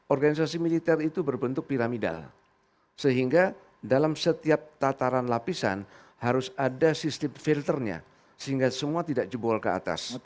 organisasi militer itu berbentuk piramidal sehingga dalam setiap tataran lapisan harus ada sistem filternya sehingga semua tidak jebol ke atas